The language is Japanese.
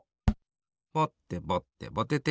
ぼってぼってぼてて！